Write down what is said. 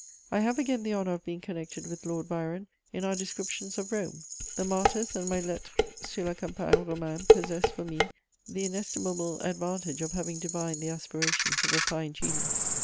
I have again the honour of being connected with Lord Byron in our descriptions of Rome: the Martyrs and my Lettre sur la campagne romaine possess, for me, the inestimable advantage of having divined the aspirations of a fine genius.